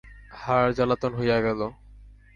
হাড় জ্বালাতন হইয়া গেল।